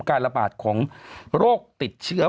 การระบาดของโรคติดเชื้อ